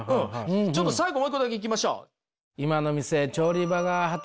ちょっと最後もう一個だけいきましょう。